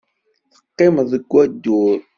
Teqqimeḍ deg wadur.